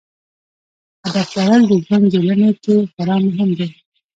هدف لرل د ژوند جوړونې کې خورا مهم دی.